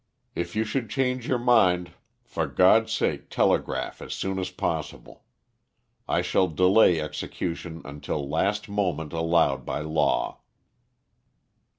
If you should change your mind, for God's sake telegraph as soon as possible. I shall delay execution until last moment allowed by law."